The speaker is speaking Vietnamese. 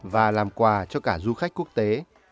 và làm quà cho cả du khách quốc tế